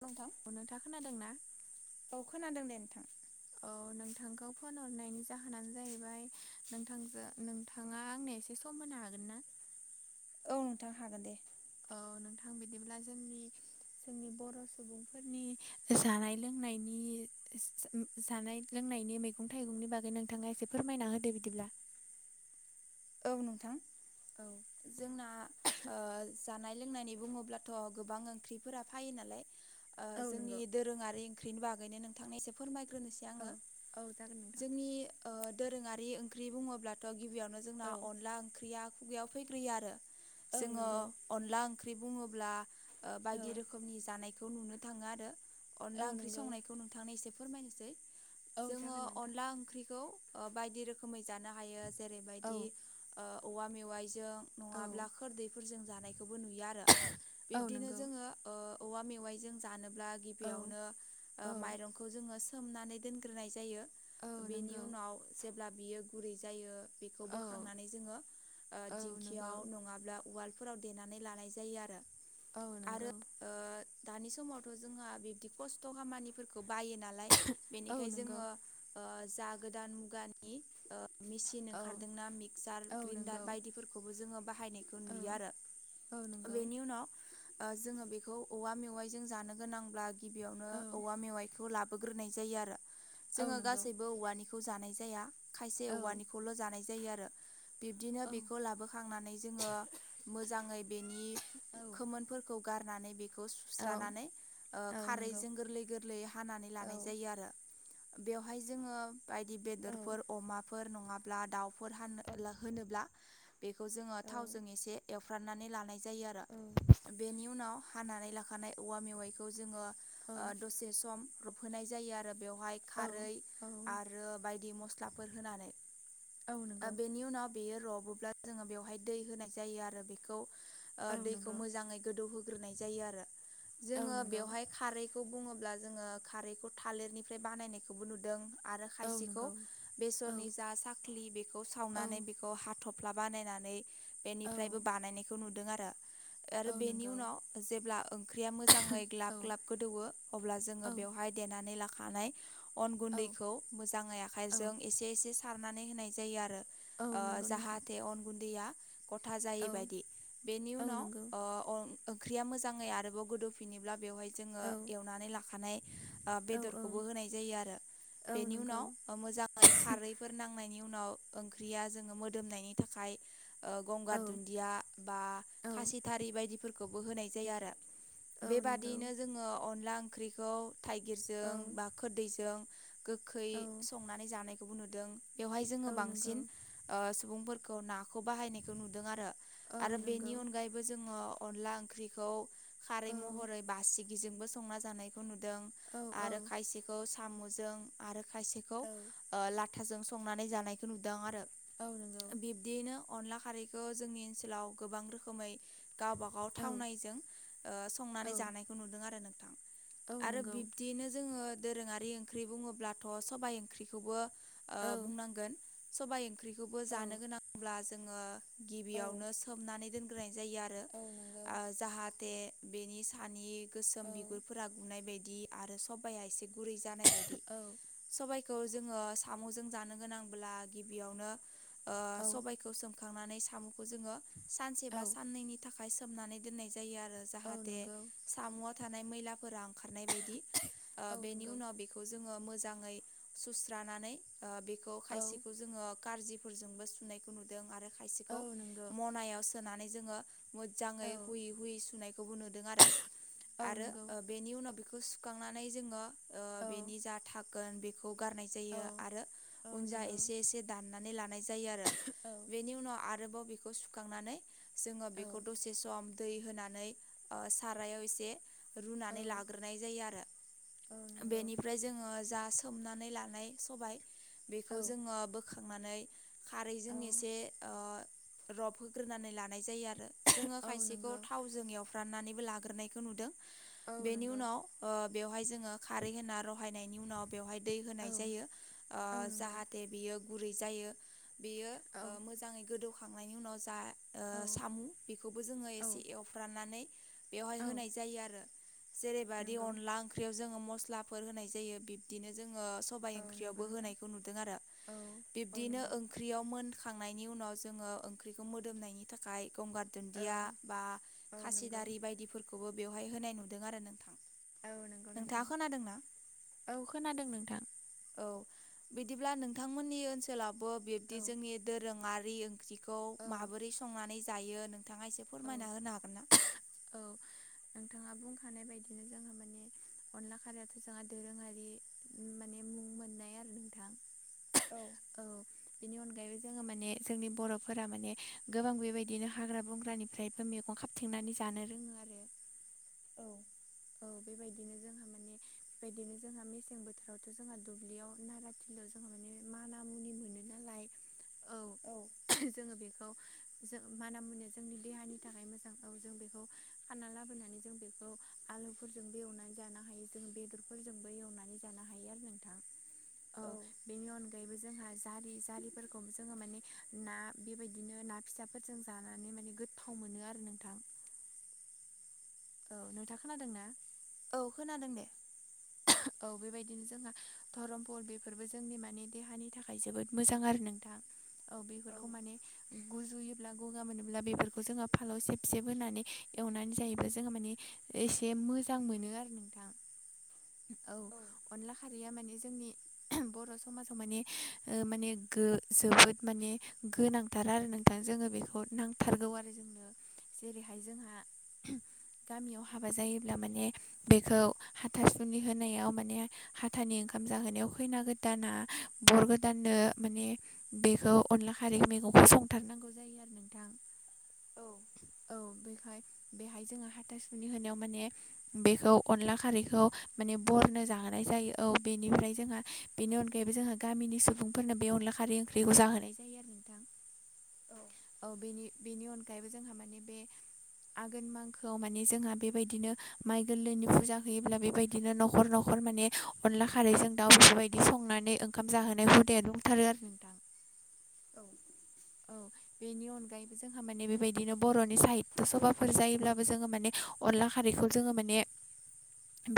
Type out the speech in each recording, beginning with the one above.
नोंथां औ नोंथाङा खोनादोंना औ खोनादों दे नोंथां। औ नोंथांखौ फन हरनायनि जाहोनानो जाहैबाय नोंथां जो थाङा आंनो एसे सम होनो हागोन ना? औ नोंथां हागोन दे। औ नोंथां बिदिब्ला जोंनि जोंनि बर' सुबुंफोरनि जानाय लोंनायनि [inaudible] उम जानाय लोंनायनि मैगं -थाइगंनि बागै नोंथाङा एसे फोरमायना होदो बिदिब्ला औ नोंथां। औ। जोंना। ओ जानाय लोंनायनि बुङोब्लाथ' गोबां ओंख्रिफोरा फायो नालाय ओ औ जोंनि नंगौ दोरोङारि ओंख्रिनि बागैनो नोंथांनो एसे फोरमायग्रोनोसै औ याआङो औ जागोन नोंथां जोंनि ओ दोरोङारि ओंख्रि बुङोब्लाथ' गिबियावनो जोंना औ अनला ओंख्रिया खुगायाव फैग्रोयो आरो। औ जोङो नंगौ अनला ओंख्रि बुङोब्ला ओ औ बायदि रोखोमनि जानायखौ नुनो थाङो आरो। औ अनला ओंख्रि नंगौ संनायखौ नोंथांनो एसे फोरमायनिसै औ जोङो जागोन नोंथां अनला ओंख्रिखौ अ बायदि रोखोमै जानो हायो औ जेरैबायदि ओ औवा मेवाइजों औ नङाब्ला खोरदैफोरजों जानायखौबो नुयो आरो। औ बिब्दिनो नंगौ जो [unintelligible] ओ औवा मेवाइजों जानोब्ला औ गिबियावनो ओ औ माइरं खौ जोङो सोमनानै दोनग्रोनाय जायो। औ बेनि नंगौ उनाव जेब्ला बियो गुरै जायो बि खौ औ बोखांनानै जोङो ओ औ नंगौ दिंखिआव नंआब्ला उवाल फोराव देनानै लानाय जायो आरो। औ आरो नंगौ। ओ दानि समावथ' जोंहा बिब्दि खस्थ' खामानिफोरखौ बायो नालाय। औ बेनिखाय नंगौ जोङो ओ जा गोदान मुगानि ओ मेचिन औ खारदोंना मिक्सार औ नंगौ ग्रिन्डार बायदिफोरखौबो जोङो बाहायनायखौ औ नुयो आरो। औ नंगौ बेनि उनाव ओ जोङो बेखौ औवा मेवाइजों जानो गोनांब्ला गिबियावनो औ औवा मेवाइ खौ लाबोग्रोनाय जायो आरो। औ जोङो नंगौ गासैबो औवानिखौ जानाय जाया खायसे औ औवानिखौल' जानाय जायो आरो बिब्दिनो औ बेखौ लाबो ख खांनानै जोङो मोजाङै बेनि औ खोमोनफोरखौ गारनानै बे खौ [unintelligible] औ सुनानै ओ औ नंगौ खारैजों गोरलै गोरलै हानानै औ लानाय जायो आरो। बेवहाय जोङो बायदि औ बेदरफोर अमाफोर नङाब्ला फोर हान‌ [unintelligible] ला होनोब्ला बेखै जोङो औ एसे एउफ्राननानै लानाय जायो आरा। बेनि उनाव हानानै लाखानाय औवा मेवाइखौ जोङो ओ दसे सम रबहोनाय जायो आरो बेवहाय औ खारै आरो बायदि मस थ्लाफोर होनानै औ ओ नंगौ बेनि उनाव बेयो रबोब्ला जोङो बेवहाय दै होनाय जायो आरो बेखौ ओ औ दै [unintelligible] खौ नंगौ मोजाङै गोदौ होग्रोनाय जायो आरो। औ जोङो नंगौ बेवहाय खारैखौ बुङोब्ला जोङो खारैखौ थालिरनिफ्राय बानायनायखौबो नुदों। आरो औ खायसेखौ नंगौ औ बेसरनि जा साख्लि बेखौ औ सावनानै बे [unintelligible] खौ हाथ'फ्ला बानायनानै औ बेनिफ्रायबो बानायनायखौ नुदों आरो। औ आरो बेनि नंगौ उनाव जेब्ला ओंख्रिया मोजाङै औ ग्लाब ग्लाब गोदौवो अब्ला औ जोङो बेवहाय देनानै लाखानाय अन औ गुन्दैखौ मोजाङै आखायजों एसे एसे सारनानै होनाय जायो आरो। औ ओ नंगौ नोंथां जाहाथे अन गुन्दैया ग'था जायै औ बायदि बेनि औ उनाव नंगौ ओ अ [unintelligible] ओंख्रिया मोजाङै आरोबाव गोदौफिनोब्ला बेवहाय [unintelligible] जोङो औ एवनानै लाखानाय ओ औ बेदरखौबो होनाय जायो आरो। औ बेनि नंगौ उनाव ओ मोजां [unintelligible] खारैफोर नांनायनि उनाव ओंख्रिया जोङो मोदोमनायनि थाखाय ओ गंगार औ दुन्दिया बा औ खासिथारि बायदिफोरखौबो होनाय जायो आरो। औ नंगौ बेबादियैनो जोङो अनला ओंख्रिखौ औ थाइगिरजों बा खोददैजों गोखै औ संनानै जानायखौबो नुदों बेवहाय जोङो औ नंगौ बांसिन ओ सुबुंफोरखौ नाखौ बाहायनायखौ नुदों आरो औ आरो नंगौ बेनि अनगायै बो जोङो अनला ओंख्रिखौ खारै औ महरै बासिगिजोंबो संना जानायखौ नुदों औ औ आरो खायसेखौ साम'जों आरो खायसे खौ औ लाथाजों संनानै जानायखौ नुदों आरो औ नंगौ बिदिनो अनला खारैखौ जोंनि ओनसोलाव गोबां रोखोमै गावब गाव औ थावनायजों ओ संनानै औ जानायखौ नुदों आरो नोंथां। औ आरो नंगौ बिब्दियैनो जोङो दोरोङारि ओंख्रि बुङोब्लाथ' सबाय ओंख्रिखौबो ओ औ बुंनांगोन सबाय ओंख्रिखौबो जानो औ गोनांब्ला जोङो औ गिबियावनो सो [unintelligible] नानै दोनग्रोनाय जायो आरो औ नंगौ आ जाहाथे बेनि सानि गोसोम औ बिगुरफोरा गुनाय बायदि आरो सबाया एसे गुरै जानाय बायदि औ सबायखौ जोङो साम'जों जानो गोनांब्ला गिबियावनो ओ औ सबाय सोमखांनानै सामुखौ जोङो सानसे बा औ साननैनि थाखाय सोमनानै दोननाय जायो आरो जाहाथे नंगौ सामुआव थानाय मैलाफोरा ओंखारनाय बायदि ओ औ बेनि नंगौ उनाव बे जोङो मोजाङै सुस्रानानै बेखौ औ खायसेखौ जोङो कारजिफोरजोंबो सुनायखौ नुदों आरो औ खायसेखौ नंगौ मनायाव सोनानै जोङो औ मोजाङै हुयै हुयै सुनायखौबो नुदों आरो औ आरो नंगौ बेनि उनाव बेखौ सुखांनानै जोङो ओ औ बेनि जा धागोन बेखौ गारनाय औ जायो आरो औ उनजा नंगौ ऐसे ऐसे दानना लानाय जायो आरो बेनि उनाव आरोबाव बेखौ सुखांनानै जोङो औ नंगौ औ बेखौ दसे सम दै होनानै सारायाव एसे रुनानै लाग्रोनाय जायो आरो बेनिफ्राय जोङो जा सोमनानै लानाय सबाय बेखौ जोङो बोखांनानै खारैजों एसे ओ रब होग्रोनानै लानाय जायो आरो जोङो औ खायसेखौ नंगौ थावजों एवफ्राननानैबो लाग्रोनायखौ नुदों औ बेनि नंगौ उनाव ओ बेवहाय जोङो खारै होना रहायनायनि उनाव बेवहाय दै औ होनाय जायो ओ नंगौ जाहाथे बियो गुरै जायो बियो औ मोजाङै गोदौखांनायनि उनाव जा ओ औ सामु बेखौबो जोङो एसे औ एवफ्रानानै बेवहाय होनाय औ जायो आरो जेरैबादि नंगौ अनला ओंख्रियाव जोङो मस्लाफोर होनाय जायो बिब्दिनो जोङो सबायाइ औ नंगौ ओंख्रियावबो नोंथां होनायखौ नुदों आरो औ बिब्दिनो नंगौ ओंख्रियाव मोनखांनायनि उनाव जोङो ओंख्रिखौ मोदोमनायनि थाखाय गंगार औ दुन्दिया बा औ नंगौ खासिदारि बायदिफोरखौबो बेवहाय होनाय नुदों आरो नोंथां औ नंगौ नोंथाङा नोंथां खोनादोंना औ खोनादों नोंथां औ बिदिब्ला नोंथांमोननि ओनसोलावबो बिब्दि औ जोंनि दोरोङारि ओंख्रि बेखौ औ माबोरै संनानै जायो नोंथाङा एसे औ फोरमायना होनो हागोन ना औ नोंथाङा बुंखानाय बायदिनो जोंहा माने अनला खारैयाथ' जोंहा दोरोङारि माने मुं मोननाय आरो नोंथां औ औ बेनि अनगायैबो जोङो माने जोंनि बर'फोरा माने गोबां बेबायदिनो हाग्रा बंग्रानिफ्राय मेगं खाबथेंनानै जानो रोङो आरो औ औ बेबायदिनो जोंहा माने बेबायदिनो जोंहा मेसें बोथोरावथ' जोंहा दुब्लियाव नारा दुब्लियाव जोंहा माने माना मुनि मोनो नालाय औ औ जोङो बेखौ जों माना-मुनिया जोंनि देहानि थाखाय मोजांखौ औ जों बेखौ खाना लाबोनानै जों बेखौ आलुफोरजोंबो एवनानै जानो हायो जों बेदरफोरजोंबो एवनानै जानो हायो आरो नोंथां औ औ बेनि अनगायैबो जोंहा जारि जारिफोरखौ जोङो माने ना बेबायदिनो ना फिसा फोरजों जानानै माने गोथाव मोनो आरो नोंथां औ नोंथा खोनादों ना औ खोनादों दे औ बेबायदिनो जोंहा धरमपल बेफोरबो जोंनि मानि देहानि थाखाय जोबोद मोजां आरो नोंथां औ औ बेफोरखौ माने गुजुयो ब्ला गगा मोनोब्ला बेफोरखौ जोङो फालाव सेब सेब होनानै एवनानै जायोब्ला जोङो माने एसे मोजां मोनो आरो नोंथां औ अनला खारैया माने जोंनि बर' समाजाव माने माने गो जोबोद माने गोनांथार आरो नोंथां जोङो बेखौ नांथारगौ आरो जोंनो जेरैहाय जोंहा गामियाव हाबा जायोब्ला माने बेखौ हाथासुनि जुलि होनायाव माने हाथानि ओंखाम जाहोनायाव खैना गोदाना बर गोदाननो माने बेखौ अनला खारै मैगंखौ संथारनांगौ जायो आरो नोंथां औ औ बेखाय बेहाय जोङो हाथासुनि होनायाव माने बेखौ अनला खारैखौ माने बरनो जाहोनाय जायो औ बेनिफ्राय जोंहा बेनि अनगायैबो जोंहा गामिनि सुबुंफोरनो बे अनला खारै ओंख्रिखौ जाहोनाय जायो आरो नोंथां औ बेनि बेनि अनगायैबो जोंहा माने बे आघोन मांखोआव माने जोंहा बेबायदिनो माइ गोरलैनि फुजा होयोब्ला बेबायदि बिदिनो न'खर न'खर माने अनला खारैजों दाउ बेफोरबायदि संनानै ओंखाम जाहोनाय हुदाया दंथारो आरो नोंथां। औ- औ बेनि अनगा अगायबो जोंहा माने बेबायदिनो बर'नि साहित्य सभाफोर जायोब्लाबो जोङो माने अनला खारैखौ जोङो माने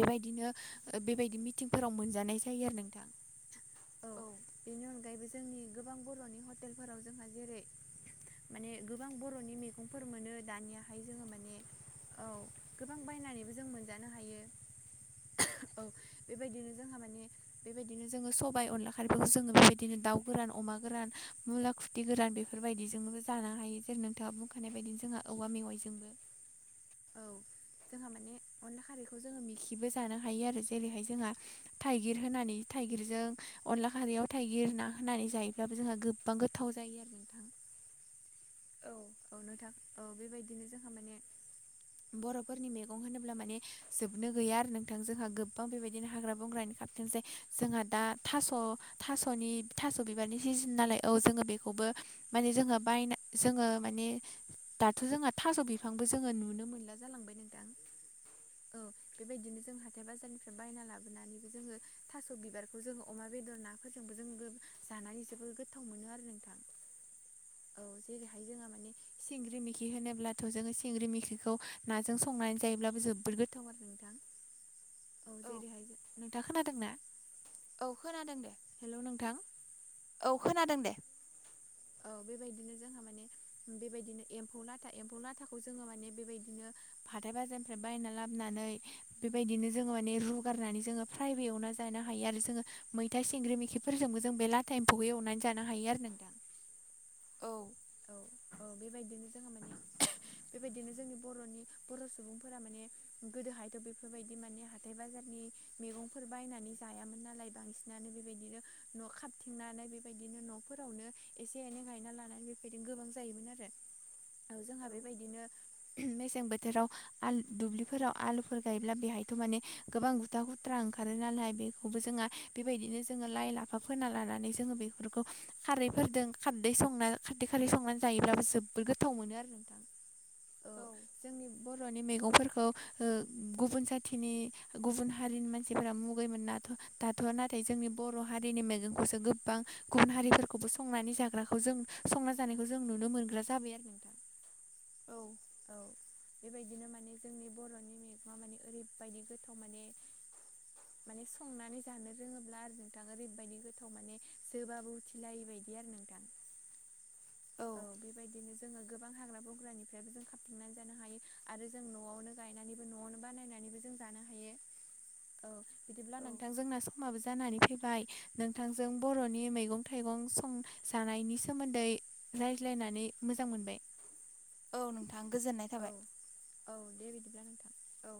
बेबायदिनो बेबायदि मिटिंफोराव मोनजानाय जायो आरो नोंथां। औ- बेनि अनगायैबो जोंनि गोबां बर'नि हटेलफोराव जोंहा जेरै माने गोबां बर'नि मैगंफोर मोनो दानियाहाय जोङो माने औ गोबां बायनानैबो जों मोनजानो हायो औ बेबायदिनो जोंहा माने बेबायदिनो जोङो सबायाइ अनला खारफोरखौ जोङो बेबायदिनो दाउ गोरान अमा गोरान मुला खु दि गोरान बेफोरबायदिजोंबो जानो हायो जेरै नोंथाङा बुंखानाय बायदिनो जोंहा औवा मेवाइजोंबो औ जोंहा माने अनला खारैखौ जोङो मिखिबो जानो हायो आरो जेरैहाय जोंहा थाइगिर होनानै थाइगिरजों अनला खारैयाव थाइगिर ना होनानै जायोब्लाबो जोंहा गोबां गोथ गोथाव जायो आरो नोंथां। औ औ नोंथां औ बेबायदिनो जोंहा माने बर'फोरनि मेगं होनोब्ला माने जोबनो गैया आरो नोंथां जोंहा गोबां बेबायदिनो हाग्रा बंग्रानि खारथोंजै जोंहा दा थास' थास'नि थास' बिबारनि सिजोन नालाय औ जोङो बेखौबो माने जोङो बायना जोङो माने दाथ' जोंहा थास' बिफांबो जोङो नुनो मोनला जालांबाय नोंथां। औ बेबायदिनो जों हाथाय बाजारनिफ्राय बायना लाबोनानैबो जोङो थास' बिबारखौ जोङो अमा बेदर नाफोरजोंबो जों गो जानानै जबोर गोथाव मोनो आरो नोंथां औ जेरैहाय जोंहा माने सिंग्रि मैखि होनोब्लाथ' जोङो सिंग्रि मैखिखौ नाजों संनानै जायोब्लाबो जोबोर गोथाव आरो औ जेरैहाय नोंथाङ खोनादों ना औ खोनादों दे हेल' नोंथां औ खोनादों दे औ बेबायदिनो जोंहा माने बेबायदिनो एम्फौ लाथा एम्फौ लाथाखौ जोङो माने बेबायदिनो हाथाय बाजारनिफ्राय बायना लाबोनानै बेबायदिनो जोङो माने रुगारनानै जोङो प्राइभेआवनो जानो हायो आरो जोङो मै फिथाइ संग्रि मोखिफोरजोंबो जों बेला टाइमखौहै एवनानै जानो हायो आरो नों दा औ औ बेबायदिनो जोङो माने बेबायदिनो जोंनि बर'नि बर' सुबुंफोरा माने गोदोहायथ' बेफोरबायदि माने ह हाथाइ बाजारनि मैगंफोर बायनानै जायामोन नालाय बांसिनानो बेबायदिनो न' खा थिंनानै बेबायदिनो न'फोरावनो एसे एनै गायना लानानै बे बेबायदिनो गोबां जायोमोन आरो औ जोंहा बेबायदिनो मेसें बोथोराव आलु दुब्लिफोराव आलुफोर गायोब्ला बेहायथ' माने गोबां गुथा गुथ्रा ओंखारो नालाय बेखौबो जोंहा बेबायदिनो जोङो लाइ लाफा फोना लानानै जोङो बेफोरखौ खारैफोरजों खारदै संना खारदै खाारलि संनानै जायोब्लाबो जोबोद गोथाव मोनो आरो नोंथां औ जोंनि बर'नि मैगंफोरखौ गुबुन जाथिनि गुबुन हारिनि मानसिफोरा मुगैमोनाथ' दाथ' नाथाय जोंनि बर' हारिनि मैगंखौसो गोबां गुबुन हारिफोरखौबो संनानै जाग्राखौ जों संना जानायखौ जों नुनो मोनग्रा जाबाय आरो नोंथां औ औ बेबायदिनो माने जोंनि बर'नि मैगङा माने ओरैबायदि गोथाव माने माने संनानै जानो रोङोब्ला आरो नोंथां ओरैबायदि गोथाव माने जोबाबो मिथिलायि बायदि आरो नोंथां औ बेबायदिनो जोङो गोबां हाग्रा बंग्रानिफ्रायबो जों खाबथंनानै जानो हायो आरो जों न'आवनो गायनानैबो न'आवनो बानायनानैबो जों जानो हायो औ बिदिब्ला औ नोंथां जोंना समाबो जानानै फैबाय नोंथांजों बर'नि मैगं थाइगं सं जानायनि सायाव सोमोन्दै रायज्लायनानै मोजां मोनबाय औ नोंथां गोजोननाय औ थाबाय औ दे बिदिब्ला नोंथां औ